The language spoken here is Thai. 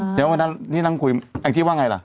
เดี๋ยววันนั้นนี่นั่งคุยแองจี้ว่าไงล่ะ